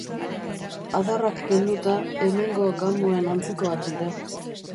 Adarrak kenduta, hemengo gamoen antzekoak dira.